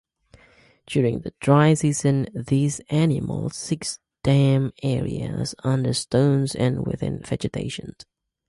During the dry season these animals seek damp areas under stones and within vegetation.